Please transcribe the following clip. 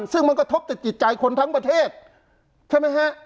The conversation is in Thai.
ซึ่งมันกระทบติดจิตใจคนทั้งประเทศใช่ไหมฮะ